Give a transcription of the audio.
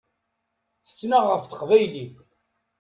Tettnaɣ ɣef teqbaylit.